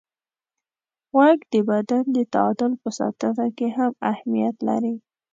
غوږ د بدن د تعادل په ساتنه کې هم اهمیت لري.